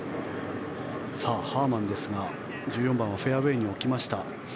ハーマンですが、１４番はフェアウェーに置きました。